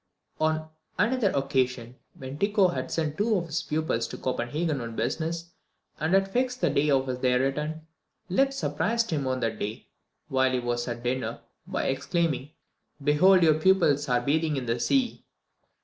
On another occasion, when Tycho had sent two of his pupils to Copenhagen on business, and had fixed the day of their return, Lep surprised him on that day while he was at dinner, by exclaiming, "Behold your pupils are bathing in the sea."